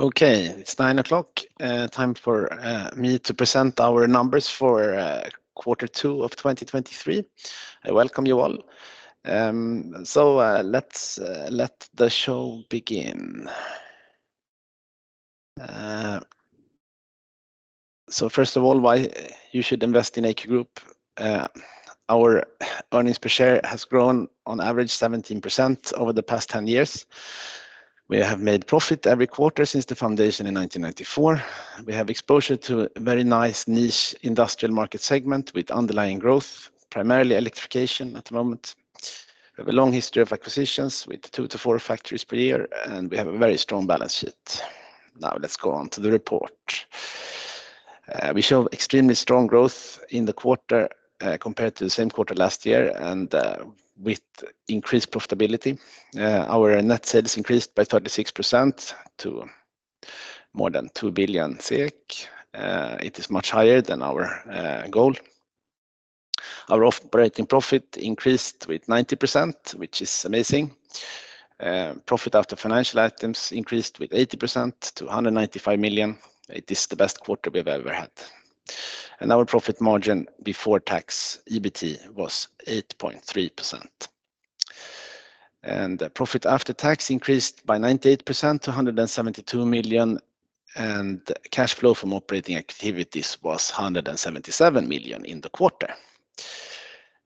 Okay, it's 9:00 A.M. Time for me to present our numbers for quarter two of 2023. I welcome you all. Let's let the show begin. First of all, why you should invest in AQ Group? Our earnings per share has grown on average 17% over the past 10 years. We have made profit every quarter since the foundation in 1994. We have exposure to a very nice niche industrial market segment with underlying growth, primarily electrification at the moment. We have a long history of acquisitions, with two to four factories per year, and we have a very strong balance sheet. Now, let's go on to the report. We show extremely strong growth in the quarter compared to the same quarter last year with increased profitability. Our net sales increased by 36% to more than 2 billion. It is much higher than our goal. Our operating profit increased by 90%, which is amazing. Profit after financial items increased by 80% to 195 million. It is the best quarter we've ever had, and our profit margin before tax, EBT, was 8.3%. Profit after tax increased by 98% to 172 million, and cash flow from operating activities was 177 million in the quarter.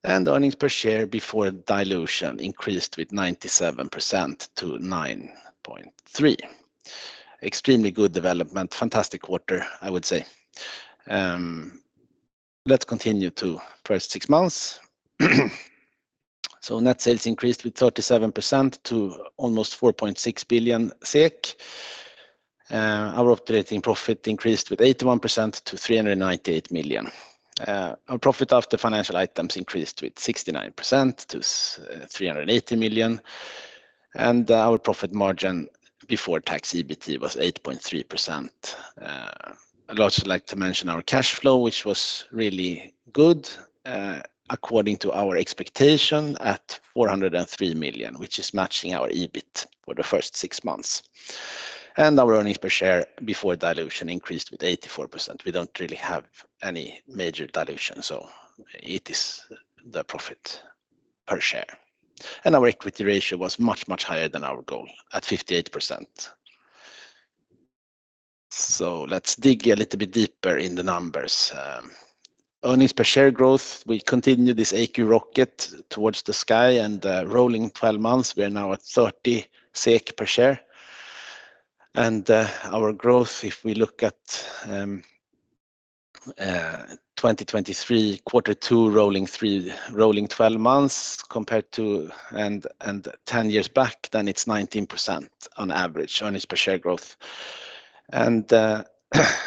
Earnings per share before dilution increased by 97% to 9.3. Extremely good development. Fantastic quarter, I would say. Let's continue to first six months. Net sales increased by 37% to almost 4.6 billion SEK. Our operating profit increased by 81% to 398 million. Our profit after financial items increased by 69% to 380 million. Our profit margin before tax, EBT, was 8.3%. I'd also like to mention our cash flow, which was really good, according to our expectation, at 403 million, which is matching our EBIT for the first six months. Our earnings per share before dilution increased by 84%. We don't really have any major dilution, so it is the profit per share. Our equity ratio was much, much higher than our goal at 58%. Let's dig a little bit deeper in the numbers. Earnings per share growth, we continue this AQ rocket towards the sky, rolling 12 months, we are now at 30 SEK per share. Our growth, if we look at 2023, Q2, rolling 12 months compared to 10 years back, then it's 19% on average, earnings per share growth.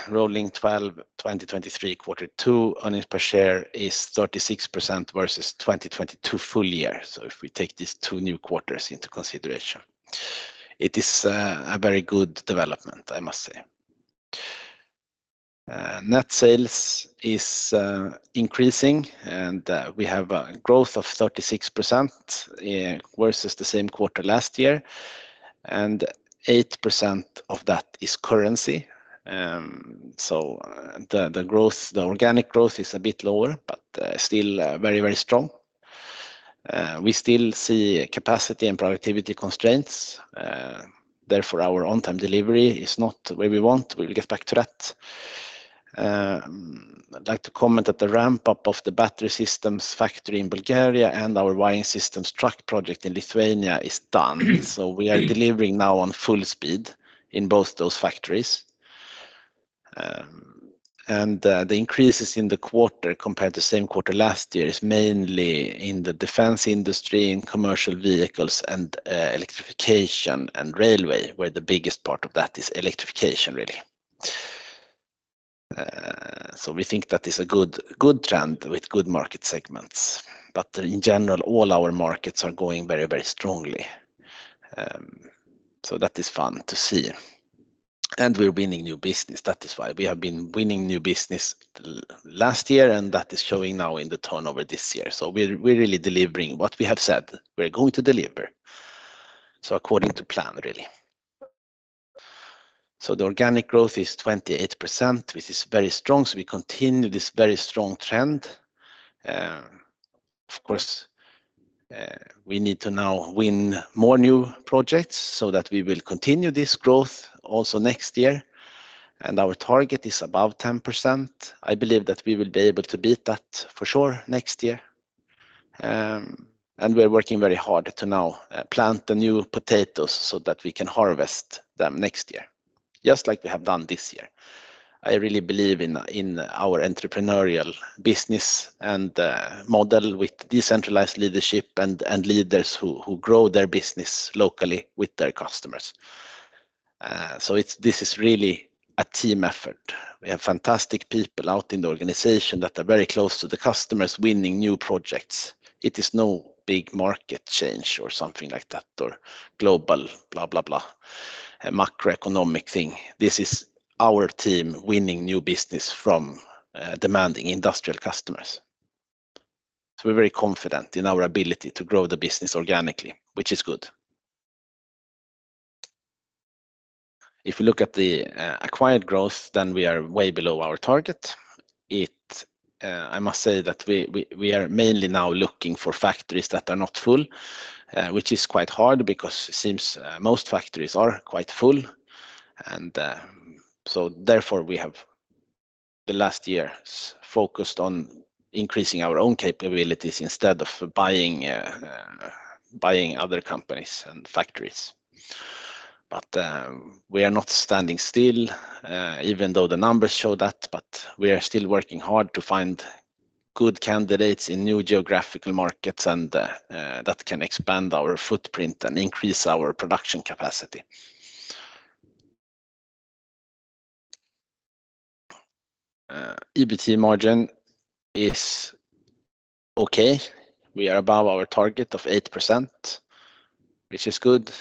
Rolling 12 2023, Q2, earnings per share is 36% versus 2022 full year. If we take these two new quarters into consideration, it is a very good development, I must say. Net sales is increasing, we have a growth of 36% versus the same quarter last year, and 8% of that is currency. The organic growth is a bit lower, still very, very strong. We still see capacity and productivity constraints. Therefore, our on-time delivery is not the way we want. We'll get back to that. I'd like to comment that the ramp-up of the battery systems factory in Bulgaria and our wiring systems truck project in Lithuania is done. We are delivering now on full speed in both those factories. The increases in the quarter compared to the same quarter last year is mainly in the defense industry, in commercial vehicles, and electrification and railway, where the biggest part of that is electrification, really. We think that is a good trend with good market segments. In general, all our markets are going very, very strongly. That is fun to see, and we're winning new business. That is why. We have been winning new business last year. That is showing now in the turnover this year. We're really delivering what we have said we're going to deliver, so according to plan, really. The organic growth is 28%, which is very strong. Of course, we need to now win more new projects so that we will continue this growth also next year. Our target is above 10%. I believe that we will be able to beat that for sure next year. We're working very hard to now plant the new potatoes, so that we can harvest them next year, just like we have done this year. I really believe in our entrepreneurial business and model with decentralized leadership and leaders who grow their business locally with their customers. This is really a team effort. We have fantastic people out in the organization that are very close to the customers, winning new projects. It is no big market change or something like that, or global blah, blah, a macroeconomic thing. This is our team winning new business from demanding industrial customers. We're very confident in our ability to grow the business organically, which is good. If you look at the acquired growth, then we are way below our target. I must say that we are mainly now looking for factories that are not full, which is quite hard because it seems most factories are quite full. Therefore, we have the last years focused on increasing our own capabilities instead of buying other companies and factories. We are not standing still, even though the numbers show that, but we are still working hard to find good candidates in new geographical markets, and that can expand our footprint and increase our production capacity. EBT margin is okay. We are above our target of 8%, which is good.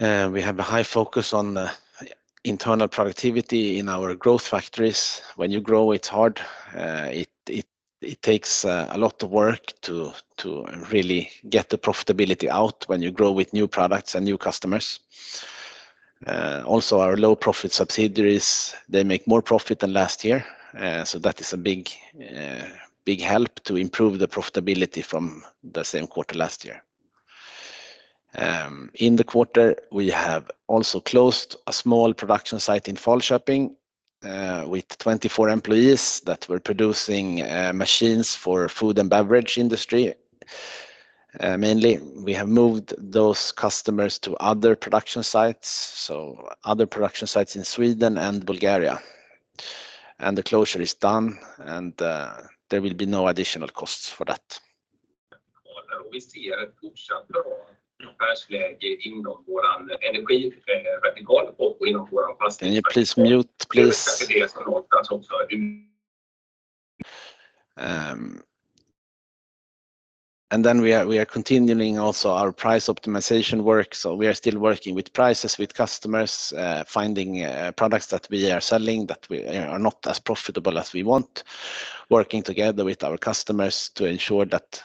We have a high focus on the internal productivity in our growth factories. When you grow, it's hard. It takes a lot of work to really get the profitability out when you grow with new products and new customers. Also, our low-profit subsidiaries, they make more profit than last year. That is a big, big help to improve the profitability from the same quarter last year. In the quarter, we have also closed a small production site in Falköping, with 24 employees that were producing machines for food and beverage industry. Mainly, we have moved those customers to other production sites, so other production sites in Sweden and Bulgaria. The closure is done, and there will be no additional costs for that. Can you please mute, please? We are, we are continuing also our price optimization work, so we are still working with prices with customers, finding products that we are selling that we, you know, are not as profitable as we want. Working together with our customers to ensure that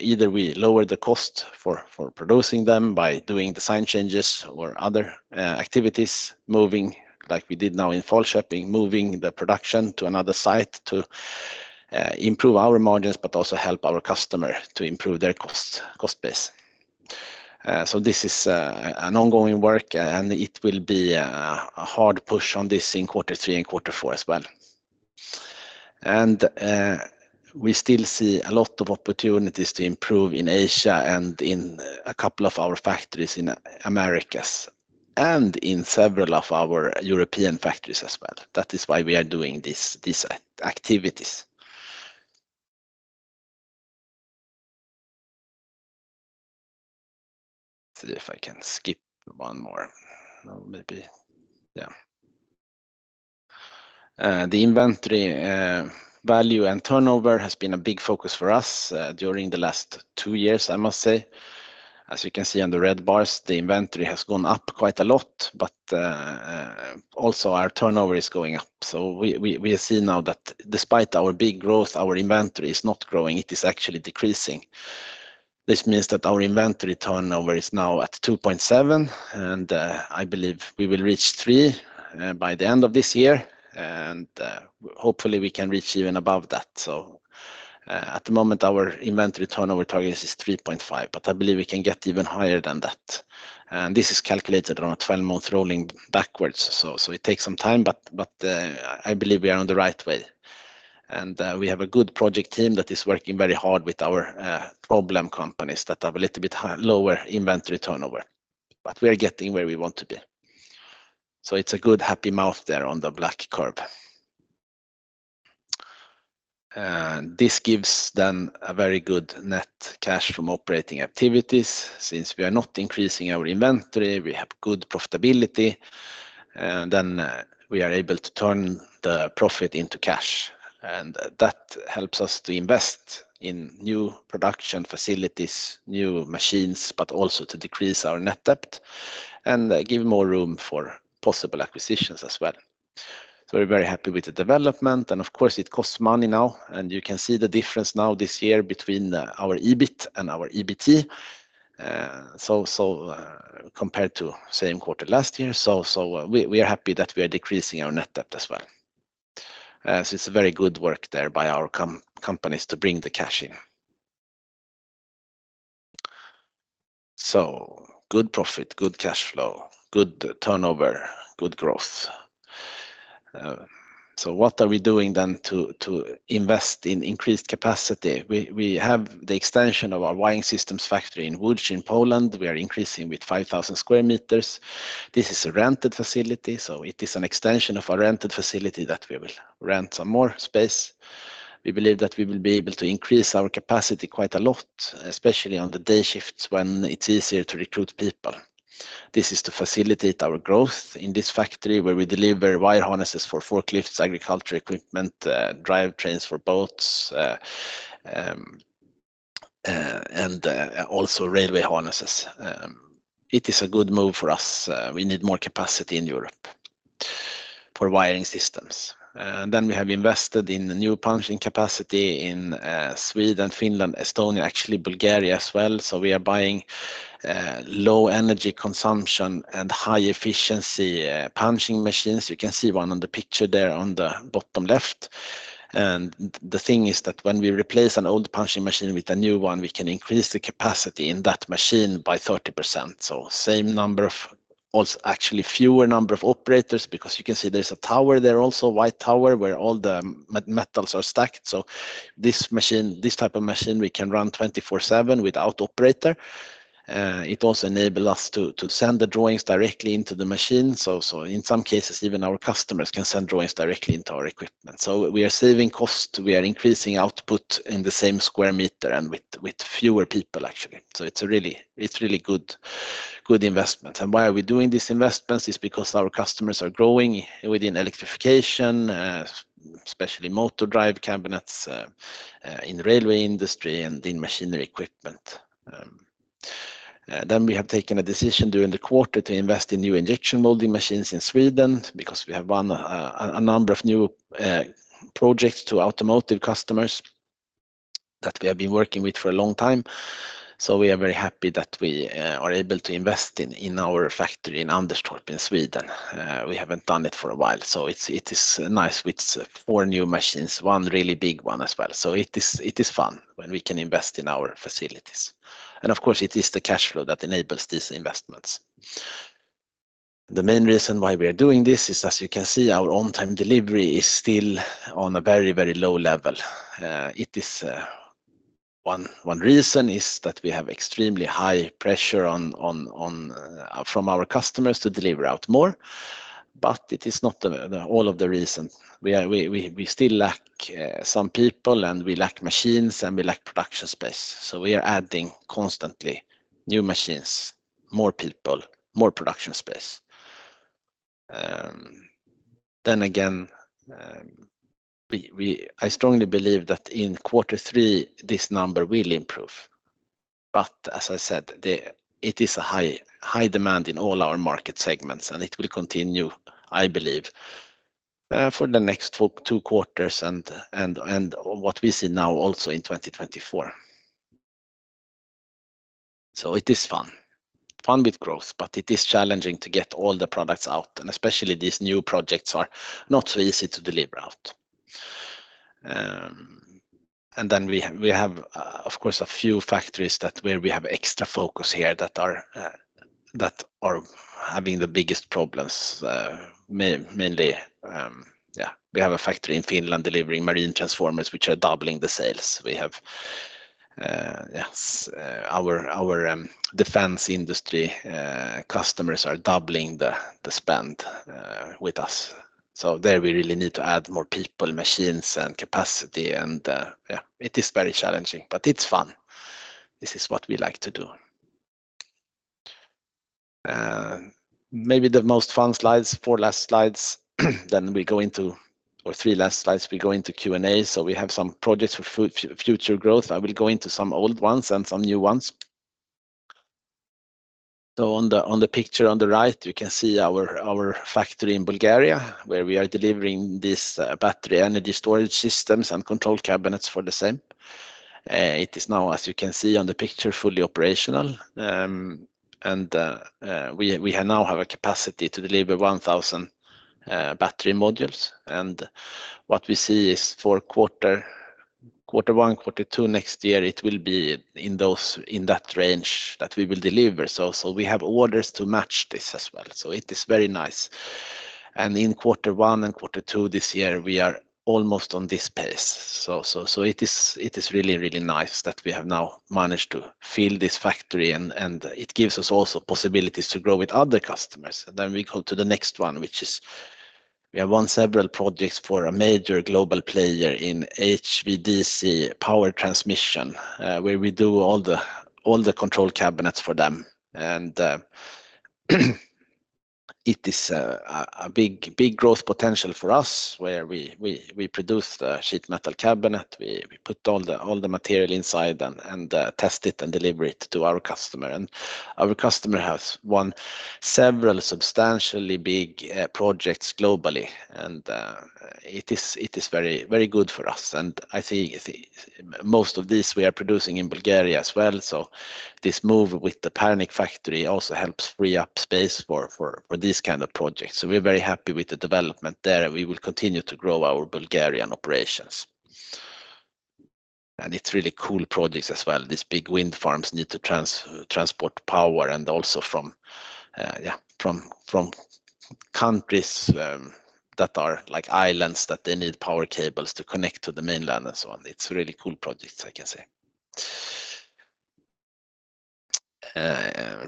either we lower the cost for producing them by doing design changes or other activities, moving like we did now in Falköping, moving the production to another site to improve our margins, but also help our customer to improve their cost base. This is an ongoing work, and it will be a hard push on this in quarter three and quarter four as well. We still see a lot of opportunities to improve in Asia and in a couple of our factories in Americas and in several of our European factories as well. That is why we are doing these activities. Let's see if I can skip one more. Maybe, yeah. The inventory value and turnover has been a big focus for us during the last two years, I must say. As you can see on the red bars, the inventory has gone up quite a lot. Also our turnover is going up. We see now that despite our big growth, our inventory is not growing. It is actually decreasing. This means that our inventory turnover is now at 2.7, and I believe we will reach 3 by the end of this year, and hopefully, we can reach even above that. At the moment, our inventory turnover target is 3.5, but I believe we can get even higher than that. This is calculated on a 12-month rolling backwards. It takes some time, but I believe we are on the right way. We have a good project team that is working very hard with our problem companies that have a little bit lower inventory turnover, but we are getting where we want to be. It's a good, happy mouth there on the black curve. This gives then a very good net cash from operating activities. Since we are not increasing our inventory, we have good profitability, and then we are able to turn the profit into cash, and that helps us to invest in new production facilities, new machines, but also to decrease our net debt and give more room for possible acquisitions as well. We're very happy with the development, and of course, it costs money now, and you can see the difference now this year between our EBIT and our EBT. Compared to same quarter last year, we are happy that we are decreasing our net debt as well. It's a very good work there by our companies to bring the cash in. Good profit, good cash flow, good turnover, good growth. What are we doing then to invest in increased capacity? We have the extension of our wiring systems factory in Łódź in Poland. We are increasing with 5,000 square meters. This is a rented facility, so it is an extension of a rented facility that we will rent some more space. We believe that we will be able to increase our capacity quite a lot, especially on the day shifts when it's easier to recruit people. This is to facilitate our growth in this factory, where we deliver wire harnesses for forklifts, agriculture equipment, drivetrains for boats, also railway harnesses. It is a good move for us. We need more capacity in Europe for wiring systems. Then we have invested in the new punching capacity in Sweden, Finland, Estonia, actually Bulgaria as well. We are buying low energy consumption and high efficiency punching machines. You can see one on the picture there on the bottom left. The thing is that when we replace an old punching machine with a new one, we can increase the capacity in that machine by 30%. Same number of, also, actually fewer number of operators, because you can see there's a tower there also, white tower, where all the metals are stacked. This machine, this type of machine, we can run 24/7 without operator. It also enable us to send the drawings directly into the machine. In some cases, even our customers can send drawings directly into our equipment. We are saving cost, we are increasing output in the same square meter and with fewer people, actually. It's really good investment. Why are we doing these investments? Is because our customers are growing within electrification, especially motor drive cabinets, in railway industry and in machinery equipment. We have taken a decision during the quarter to invest in new injection molding machines in Sweden, because we have won a number of new projects to automotive customers that we have been working with for a long time. We are very happy that we are able to invest in our factory in Anderstorp, in Sweden. We haven't done it for a while, it is nice. With four new machines, one really big one as well. It is fun when we can invest in our facilities. Of course, it is the cash flow that enables these investments. The main reason why we are doing this is, as you can see, our on-time delivery is still on a very low level. One reason is that we have extremely high pressure on from our customers to deliver out more. It is not the all of the reason. We still lack some people, and we lack machines, and we lack production space, so we are adding constantly new machines, more people, more production space. Then again, I strongly believe that in Q3, this number will improve. As I said, the. It is a high demand in all our market segments, and it will continue, I believe, for the next 2 quarters and what we see now also in 2024. It is fun with growth, but it is challenging to get all the products out, and especially these new projects are not so easy to deliver out. We have, of course, a few factories that where we have extra focus here that are having the biggest problems, mainly. We have a factory in Finland delivering marine transformers, which are doubling the sales. We have our defense industry customers are doubling the spend with us. There we really need to add more people, machines, and capacity and it is very challenging, but it's fun. This is what we like to do. Maybe the most fun slides, four last slides, then we go into or three last slides, we go into Q&A. We have some projects for future growth. I will go into some old ones and some new ones. On the picture on the right, you can see our factory in Bulgaria, where we are delivering this battery energy storage systems and control cabinets for the same. It is now, as you can see on the picture, fully operational. We now have a capacity to deliver 1,000 battery modules. What we see is for quarter one, quarter two next year, it will be in those, in that range that we will deliver. We have orders to match this as well. It is very nice. In quarter one and quarter two this year, we are almost on this pace. It is really, really nice that we have now managed to fill this factory and it gives us also possibilities to grow with other customers. We go to the next one, which is we have won several projects for a major global player in HVDC power transmission, where we do all the control cabinets for them. It is a big growth potential for us, where we produce the sheet metal cabinet, we put all the material inside and test it and deliver it to our customer. Our customer has won several substantially big projects globally, it is very, very good for us. I think most of these we are producing in Bulgaria as well. This move with the Pernik factory also helps free up space for these kind of projects. We're very happy with the development there, and we will continue to grow our Bulgarian operations. It's really cool projects as well. These big wind farms need to transport power and also from countries that are like islands, that they need power cables to connect to the mainland and so on. It's really cool projects, I can say.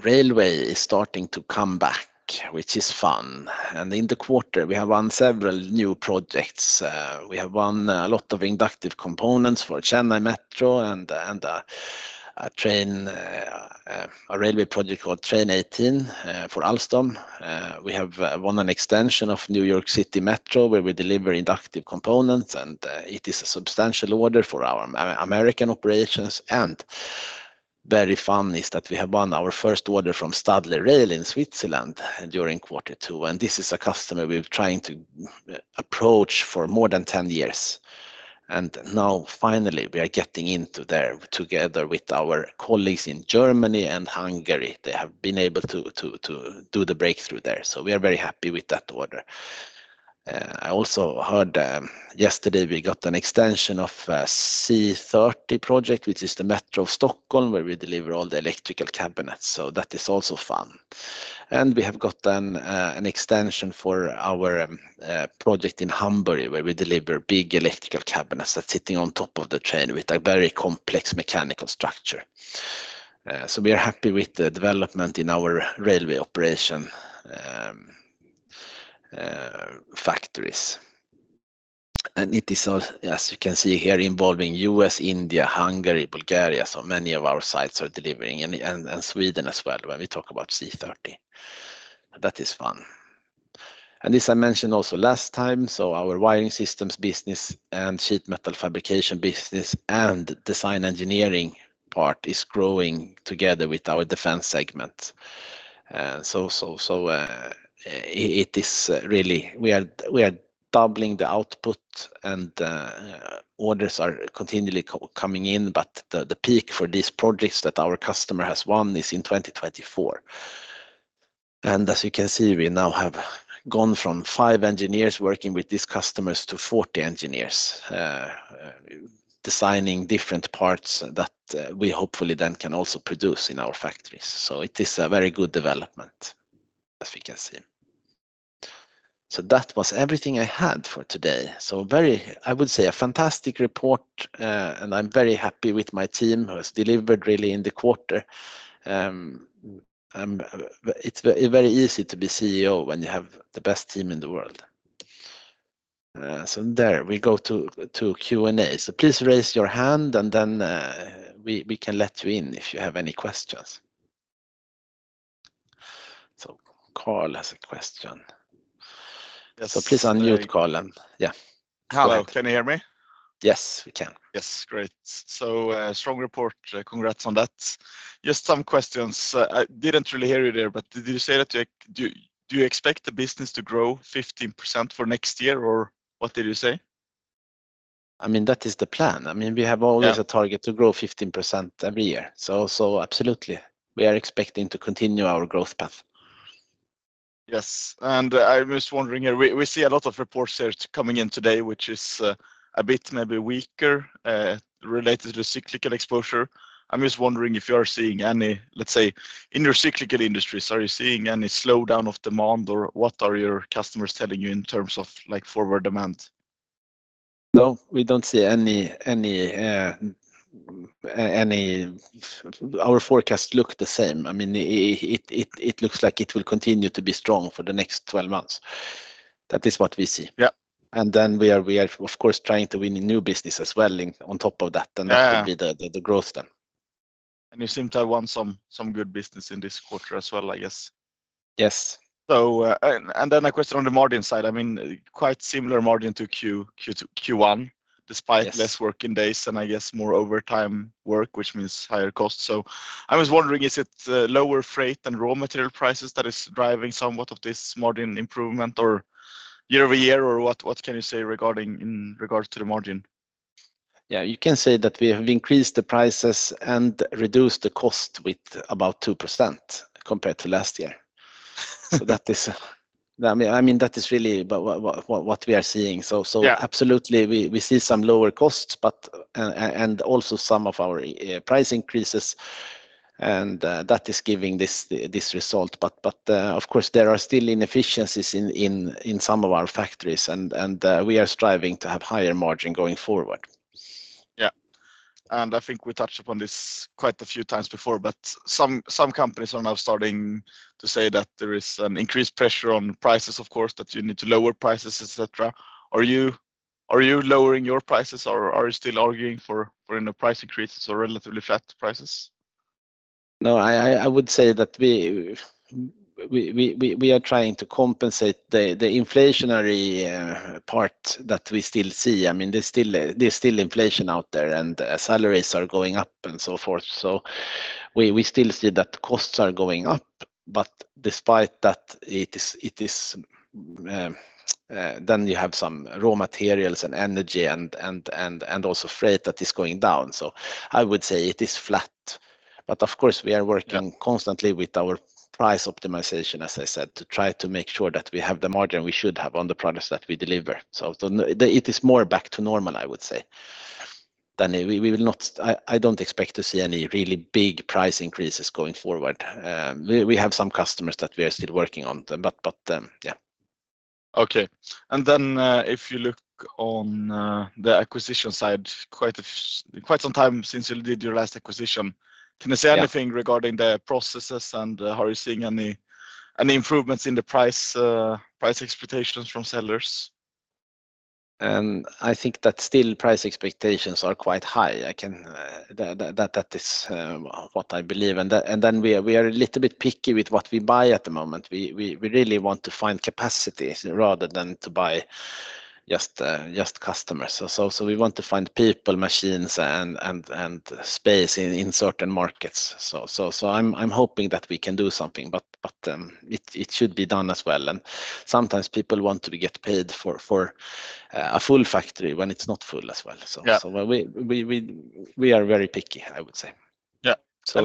Railway is starting to come back, which is fun. In the quarter, we have won several new projects. We have won a lot of inductive components for Chennai Metro and a railway project called Train 18 for Alstom. We have won an extension of New York City Metro, where we deliver inductive components, and it is a substantial order for our American operations. Very fun is that we have won our first order from Stadler Rail in Switzerland during quarter two. This is a customer we've trying to approach for more than 10 years. Now finally, we are getting into there together with our colleagues in Germany and Hungary. They have been able to do the breakthrough there. We are very happy with that order. I also heard yesterday we got an extension of C30 project, which is the Metro Stockholm, where we deliver all the electrical cabinets. That is also fun. We have got then an extension for our project in Hamburg, where we deliver big electrical cabinets that's sitting on top of the train with a very complex mechanical structure. We are happy with the development in our railway operation factories. It is also, as you can see here, involving U.S., India, Hungary, Bulgaria. Many of our sites are delivering, and Sweden as well, when we talk about C30. That is fun. This I mentioned also last time, our wiring systems business and sheet metal fabrication business and design engineering part is growing together with our defense segment. It is really, we are doubling the output and orders are continually coming in, but the peak for these projects that our customer has won is in 2024. As you can see, we now have gone from 5 engineers working with these customers to 40 engineers designing different parts that we hopefully then can also produce in our factories. It is a very good development, as we can see. That was everything I had for today. Very I would say a fantastic report, and I'm very happy with my team who has delivered really in the quarter. It's very easy to be CEO when you have the best team in the world. There, we go to Q&A. Please raise your hand, and then we can let you in if you have any questions. Carl has a question. Yes. Please unmute, Carl, and yeah. Hello. Can you hear me? Yes, we can. Yes. Great. Strong report. Congrats on that. Just some questions. I didn't really hear you there, but did you say that you expect the business to grow 15% for next year, or what did you say? I mean, that is the plan. We have always a target to grow 15% every year. Absolutely, we are expecting to continue our growth path. I was wondering, we see a lot of reports that's coming in today, which is a bit maybe weaker related to cyclical exposure. I'm just wondering if you are seeing any, let's say, in your cyclical industries, are you seeing any slowdown of demand, or what are your customers telling you in terms of, like, forward demand? No, we don't see any. Our forecast look the same. I mean, it looks like it will continue to be strong for the next 12 months. That is what we see. We are, of course, trying to win new business as well in on top of that. That will be the growth then. You seem to have won some good business in this quarter as well, I guess. Yes. Then a question on the margin side, I mean, quite similar margin to Q2 to Q1. Yes. Despite less working days and I guess more overtime work, which means higher cost. I was wondering, is it lower freight and raw material prices that is driving somewhat of this margin improvement or year-over-year, or what can you say regarding, in regards to the margin? Yeah, you can say that we have increased the prices and reduced the cost with about 2% compared to last year. That is, I mean, that is really about what we are seeing. Absolutely, we see some lower costs, but and also some of our price increases, and that is giving this result. Of course, there are still inefficiencies in some of our factories, and we are striving to have higher margin going forward. Yeah. I think we touched upon this quite a few times before, but some companies are now starting to say that there is an increased pressure on prices, of course, that you need to lower prices, et cetera. Are you lowering your prices, or are you still arguing for any price increases or relatively flat prices? I would say that we are trying to compensate the inflationary part that we still see. I mean, there's still inflation out there, and salaries are going up and so forth. We still see that costs are going up, but despite that, it is. You have some raw materials and energy and also freight that is going down. I would say it is flat, but of course, we are working constantly with our price optimization, as I said, to try to make sure that we have the margin we should have on the products that we deliver. The, it is more back to normal, I would say. We will not. I don't expect to see any really big price increases going forward. We have some customers that we are still working on, but, yeah. Okay. Then, if you look on, the acquisition side, quite some time since you did your last acquisition. Can you say anything regarding the processes and are you seeing any improvements in the price expectations from sellers? I think that still price expectations are quite high. That is what I believe, and then we are a little bit picky with what we buy at the moment. We really want to find capacity rather than just customers. So we want to find people, machines, and space in certain markets. So I'm hoping that we can do something, but it should be done as well. Sometimes people want to get paid for a full factory when it's not full as well. We are very picky, I would say. Yeah. So.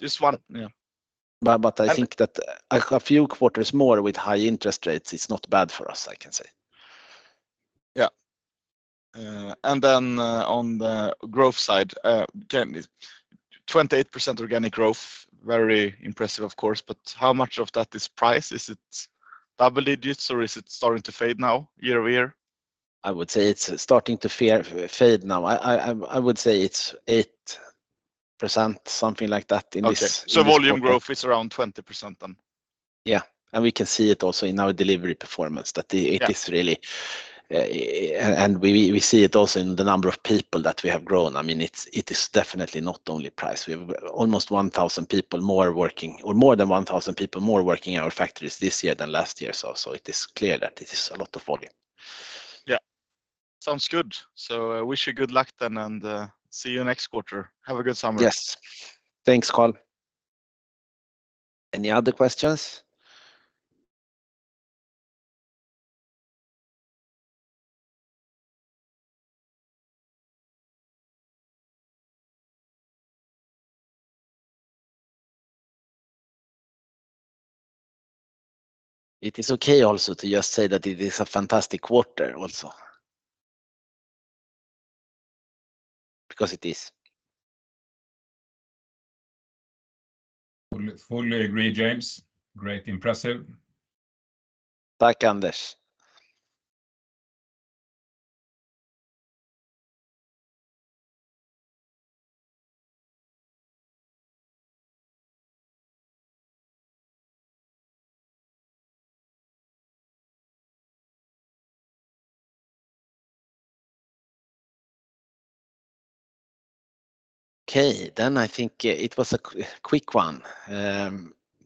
Just one. Yeah. I think that a few quarters more with high interest rates is not bad for us, I can say. Yeah. On the growth side, again, 28% organic growth, very impressive, of course, but how much of that is price? Is it double digits, or is it starting to fade now year-over-year? I would say it's starting to fade now. I would say it's 8%, something like that. Okay. Volume growth is around 20% then? Yeah. We can see it also in our delivery performance is really, and we see it also in the number of people that we have grown. I mean, it is definitely not only price. We have almost 1,000 people more working or more than 1,000 people more working in our factories this year than last year. It is clear that it is a lot of volume. Yeah. Sounds good. I wish you good luck then, and, see you next quarter. Have a good summer. Yes. Thanks, Carl. Any other questions? It is okay also to just say that it is a fantastic quarter also, because it is. Fully agree, James. Great. Impressive. Thank you, Anders. Okay, then I think it was a quick one.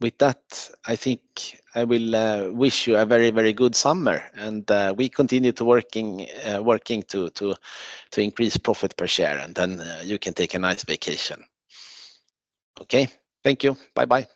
With that, I think I will wish you a very, very good summer, and we continue to working to increase profit per share, and then you can take a nice vacation. Okay? Thank you. Bye-bye.